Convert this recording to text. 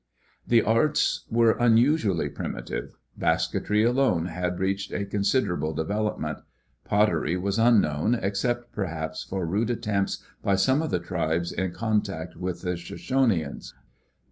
The arts were unusually primitive. Basketry alone had reached a considerable development. Pottery was unknown, except perhaps for rude attempts by some of the tribes in contact with the Shoshoneans.